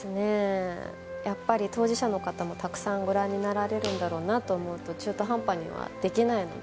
当事者の方もたくさんご覧になられるんだろうなと思うと中途半端にはできないので。